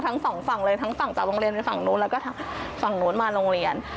ทั้งสองฝั่งเลยทั้งฝั่งจากโรงเรียนฝั่งนู้นแล้วก็ทางฝั่งนู้นมาโรงเรียน